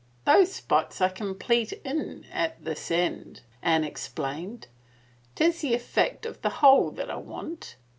" Those spots I can pleat in at this end," Anne ex plained. " Tis the effect of the whole that I want."